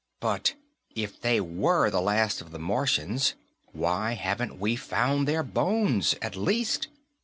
But if they were the last of the Martians, why haven't we found their bones, at least?